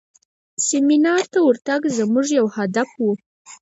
سیمینار ته ورتګ زموږ یو هدف و.